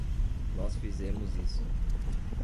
Nós fizemos isso.